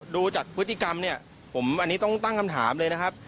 ดูจากพฤติกรรมเนี่ยผมอันนี้ต้องตั้งคำถามเลยนะครับ